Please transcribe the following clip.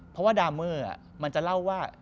เพราะว่าดาเมอร์มันจะเล่าว่า